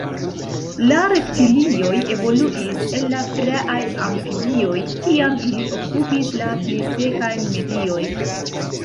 La reptilioj evoluis el la praaj amfibioj, kiam ili okupis la pli sekajn mediojn.